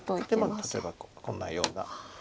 例えばこんなような。